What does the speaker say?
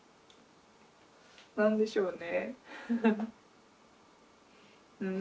何でしょうね。